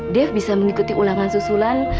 dev bisa mengikuti ulangan susulan